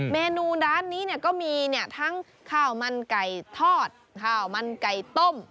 เมนูร้านนี้ก็มีทั้งข้าวมันไก่ทอดข้าวมันไก่ต้ม